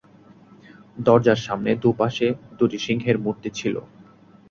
দরজার সামনে দু’পাশে দু’টি সিংহের মূর্তি ছিল।